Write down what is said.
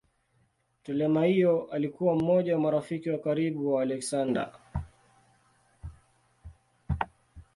Ptolemaio alikuwa mmoja wa marafiki wa karibu wa Aleksander.